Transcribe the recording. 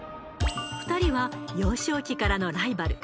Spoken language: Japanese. ２人は幼少期からのライバル。